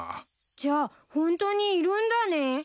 じゃあホントにいるんだね？